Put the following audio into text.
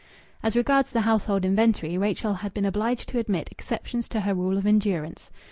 As regards the household inventory, Rachel had been obliged to admit exceptions to her rule of endurance.